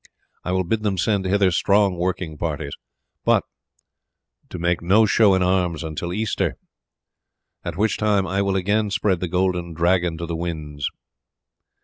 I will bid them send hither strong working parties, but to make no show in arms until Easter, at which time I will again spread the Golden Dragon to the winds.